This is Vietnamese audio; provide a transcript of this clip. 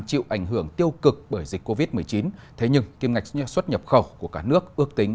chịu ảnh hưởng tiêu cực bởi dịch covid một mươi chín thế nhưng kim ngạch xuất nhập khẩu của cả nước ước tính